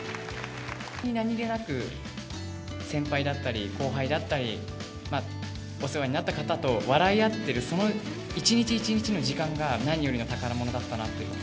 何気なく、先輩だったり、後輩だったり、お世話になった方と笑い合ってるその一日一日の時間が何よりの宝物だったなという。